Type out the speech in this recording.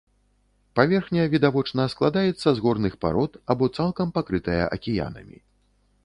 Паверхня, відавочна, складаецца з горных парод, або цалкам пакрытая акіянамі.